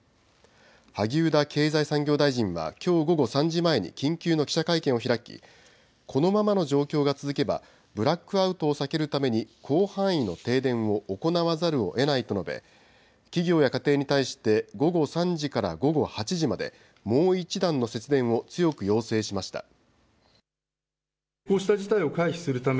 萩生田経済産業大臣はきょう午後３時前に緊急の記者会見を開きこのままの状況が続けばブラックアウトを避けるために広範囲の停電を行わざるをえないと述べ、企業や家庭に対して午後３時から午後８時までもう一段の節電を強く要請しました。